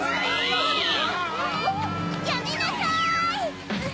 やめなさい！